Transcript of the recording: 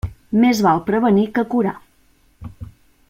Més val prevenir que curar.